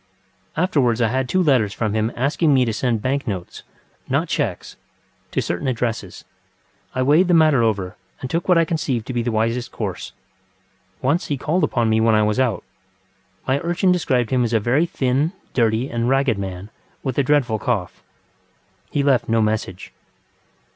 Afterwards I had two letters from him asking me to send bank notesŌĆönot chequesŌĆöto certain addresses. I weighed the matter over and took what I conceived to be the wisest course. Once he called upon me when I was out. My urchin described him as a very thin, dirty, and ragged man, with a dreadful cough. He left no message.